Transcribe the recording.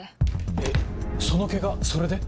えっそのケガそれで？